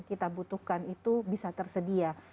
kita butuhkan itu bisa tersedia